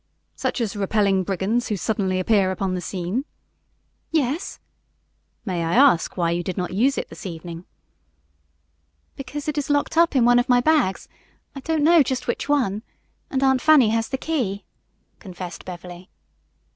"Such as repelling brigands who suddenly appear upon the scene?" "Yes." "May I ask why you did not use it this evening?" "Because it is locked up in one of my bags I don't know just which one and Aunt Fanny has the key," confessed Beverly.